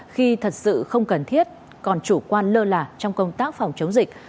khi thật sự không cần thiết còn chủ quan lơ là trong công tác phòng chống dịch